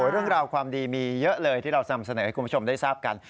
เรื่องราวความดีมีเยอะเลยที่เรานำเสนอให้คุณผู้ชมได้ทราบกัน